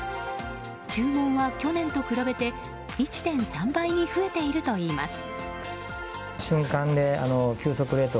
注文は去年と比べて１．３倍に増えているといいます。